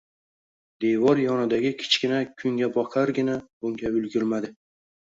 devor yonidagi kichkina kungaboqargina bunga ulgurmadi.